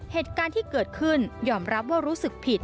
เหตุการณ์ที่เกิดขึ้นยอมรับว่ารู้สึกผิด